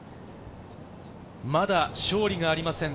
まだ勝利がありません。